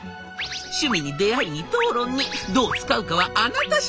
趣味に出会いに討論にどう使うかはあなたしだい！